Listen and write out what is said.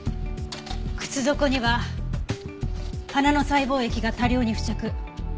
靴底には花の細胞液が多量に付着。